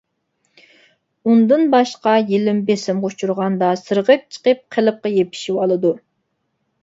ئۇندىن باشقا يىلىم بېسىمغا ئۇچرىغاندا سىرغىپ چىقىپ قېلىپقا يېپىشىۋالىدۇ.